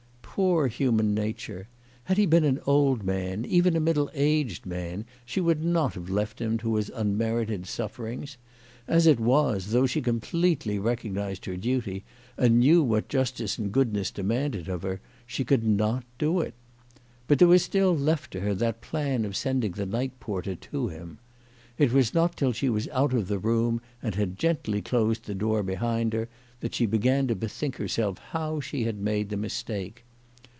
Poor human nature ! Had he been an old man, even a middle aged man, she would not have left him to his unmerited sufferings. As it was, though she completely recognised her duty, and knew what justice and goodness demanded of her, she could not do it. But there was still left to her that plan of sending the night porter to him. It was not till she was out of the room and had gently closed the door behind her, that she began to bethink herself how she had made the mistake.